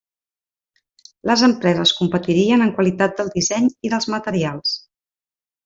Les empreses competirien en qualitat del disseny i dels materials.